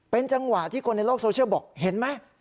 เป็นจังหวะที่คนในโลกโซเชียลบอกเห็นไหม